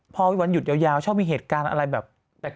พอวันหยุดยาวชอบมีเหตุการณ์อะไรแบบแปลก